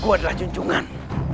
aku adalah junjungan